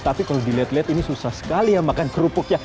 tapi kalau dilihat lihat ini susah sekali ya makan kerupuknya